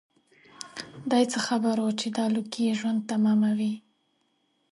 دای څه خبر و چې دا لوګي یې ژوند تماموي.